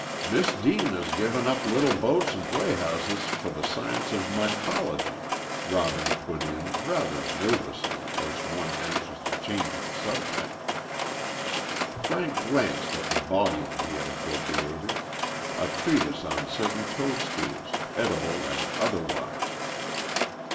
"Miss Deane has given up little boats and playhouses for the science of mycology," Robin put in, rather nervously, as one anxious to change the subject. Frank glanced at the volume he had appropriated a treatise on certain toadstools, edible and otherwise.